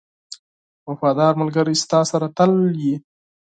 • وفادار ملګری ستا سره تل وي.